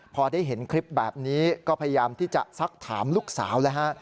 พอได้เห็นคลิปแบบนี้ก็พยายามที่จะซักถามลูกสาวแล้วฮะ